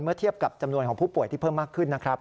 เทียบกับจำนวนของผู้ป่วยที่เพิ่มมากขึ้นนะครับ